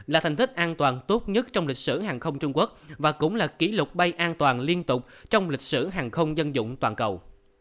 là thành thích an toàn tốt nhất trong lịch sử hàng không trung quốc và cũng là kỷ lục bay an toàn liên tục trong lịch sử hàng không dân dụng toàn cầu